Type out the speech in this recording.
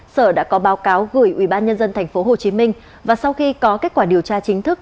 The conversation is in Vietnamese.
sở đã có báo cáo gửi ubnd tp hcm và sau khi có kết quả điều tra chính thức